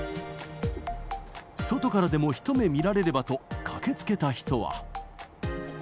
外からでも一目見られればと、駆けつけた人は。